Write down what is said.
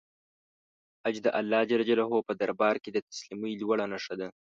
حج د الله په دربار کې د تسلیمۍ لوړه نښه ده.